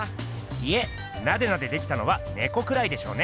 いえナデナデできたのはねこくらいでしょうね。